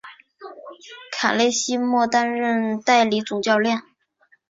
卡勒西莫担任代理总教练。